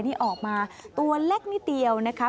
นี่ออกมาตัวเล็กนิดเดียวนะคะ